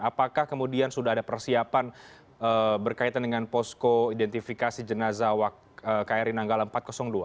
apakah kemudian sudah ada persiapan berkaitan dengan posko identifikasi jenazah kri nanggala empat ratus dua